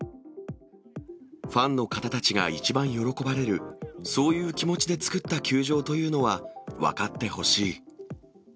ファンの方たちが一番喜ばれる、そういう気持ちでつくった球場というのは分かってほしい。